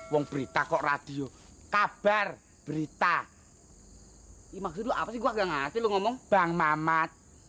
uang berita kok radio kabar berita hai imak dulu apa sih gua gak ngasih lu ngomong bang mamat